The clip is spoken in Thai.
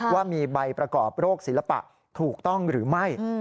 ว่ามีใบประกอบโรคศิลปะถูกต้องหรือไม่